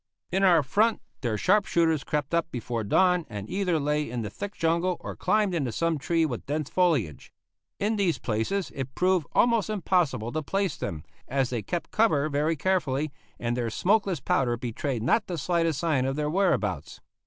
In our front their sharp shooters crept up before dawn and either lay in the thick jungle or climbed into some tree with dense foliage. In these places it proved almost impossible to place them, as they kept cover very carefully, and their smokeless powder betrayed not the slightest sign of their whereabouts.